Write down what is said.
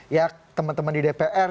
ya teman teman di dpr